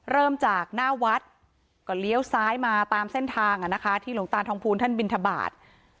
เริ่มจากหน้าวัดก็เลี้ยวซ้ายมาตามเส้นทางที่หลวงตาทองภูลท่านบินทบาท